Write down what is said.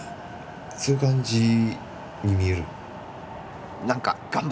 そういう感じに見える。